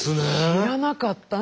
知らなかった。